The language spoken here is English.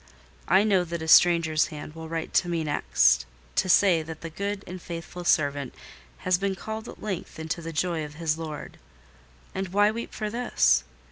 I know that a stranger's hand will write to me next, to say that the good and faithful servant has been called at length into the joy of his Lord. And why weep for this?